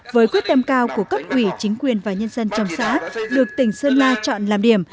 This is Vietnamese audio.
với quyết tâm cao của cấp ủy chính quyền và nhân dân trong xã được tỉnh sơn la chọn làm điểm